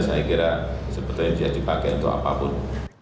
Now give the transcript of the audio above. saya kira sebetulnya bisa dipakai untuk apapun